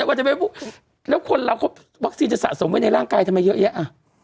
แล้วคนเราจะสะสมไวร์สินที่สะสมไว้ในร่างกายทำไมเยอะแยะ